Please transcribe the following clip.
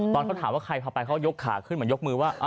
ตอนเขาถามว่าใครพาไปเขายกขาขึ้นเหมือนยกมือว่า